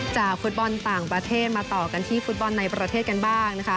ฟุตบอลต่างประเทศมาต่อกันที่ฟุตบอลในประเทศกันบ้างนะคะ